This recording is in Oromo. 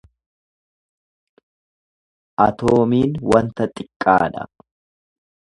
Atoomiin wanta xiqqaa dha.